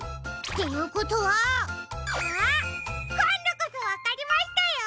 っていうことはあっこんどこそわかりましたよ！